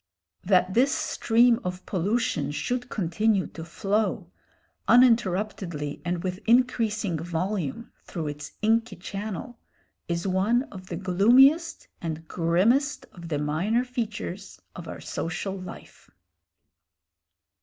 That this stream of pollution should continue to flow, uninterruptedly and with increasing volume, through its inky channel, is one of the gloomiest and grimmest of the minor features of our social life.